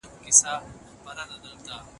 څېړني د نویو حل لارو موندلو ته وایي.